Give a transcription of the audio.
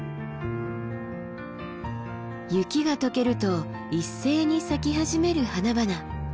雪が解けると一斉に咲き始める花々。